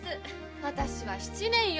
私は七年よ。